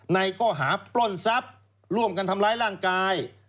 ในข้อหาปล้นทรัพย์ร่วมกันทำร้ายร่างกาย